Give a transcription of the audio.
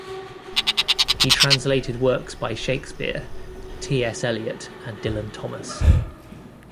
He translated works by Shakespeare, T. S. Eliot and Dylan Thomas.